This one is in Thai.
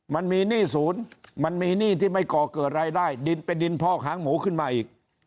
มันมีหนี้ศูนย์มันมีหนี้ที่ไม่ก่อเกิดรายได้ดินเป็นดินพอกหางหมูขึ้นมาอีก